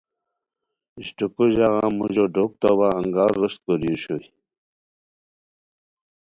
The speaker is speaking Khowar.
اشٹوکو ژاغا موژا ڈوک تاوا انگار روشت کوری اوشوئے